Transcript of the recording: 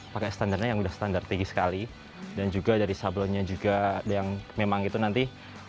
pakai standarnya yang udah standar tinggi sekali dan juga dari sablonnya juga yang memang itu nanti